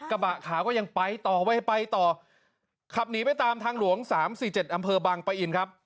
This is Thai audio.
กระบะขาวก็ยังไปต่อไว้ไปต่อขับหนีไปตามทางหลวงสามสี่เจ็ดอำเภอบังปะอินครับ